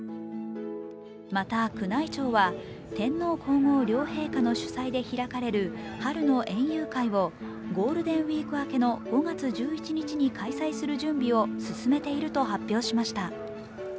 また、宮内庁は、天皇皇后両陛下の主催で開かれる春の園遊会をゴールデンウイーク明けの５月１１日に開催する準備を進めていると発表しました。